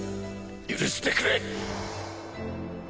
許してくれ！